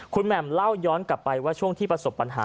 คุณแหม่มเล่าย้อนกลับไปว่าช่วงที่ประสบปัญหา